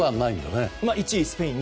１位、スぺイン。